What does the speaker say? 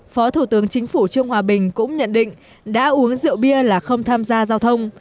phó thủ tướng chính phủ trương hòa bình cũng nhận định đã uống rượu bia là không tham gia giao thông